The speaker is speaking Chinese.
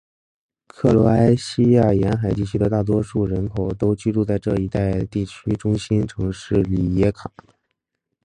克罗埃西亚沿海地区的大多数人口都居住在这一地区的中心城市里耶卡。